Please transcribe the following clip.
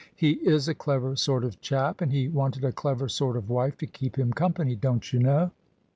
" He is a clever sort of chap, and he wanted a clever sort of wife to keep him company, don't you know?